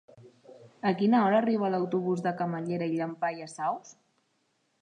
A quina hora arriba l'autobús de Camallera i Llampaies Saus?